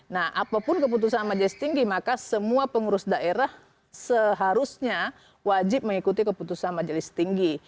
nah apapun keputusan majelis tinggi maka semua pengurus daerah seharusnya wajib mengikuti keputusan majelis tinggi